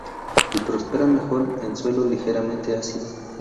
Y prospera mejor en suelo ligeramente ácido.